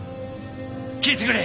聞いてくれ！